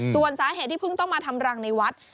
ส่วนสาเหตุที่เพิ่งต้องมาทำรังในวัด